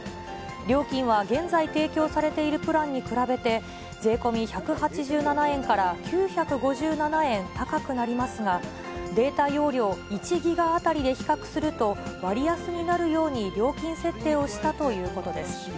料金は現在提供されているプランに比べて、税込み１８７円から９５７円高くなりますが、データ容量１ギガ当たりで比較すると、割安になるように料金設定をしたということです。